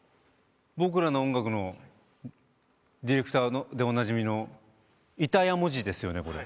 『僕らの音楽』のディレクターでおなじみの板谷文字ですよね。